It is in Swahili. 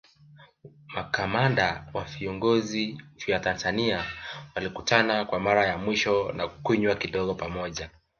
Makamanda wa vikosi vya Tanzania walikutana kwa mara ya mwisho na kunywa kidogo pamoja